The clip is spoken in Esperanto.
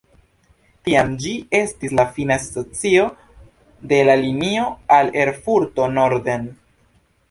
Tiam ĝi estis la fina stacio de la linio al Erfurto norden.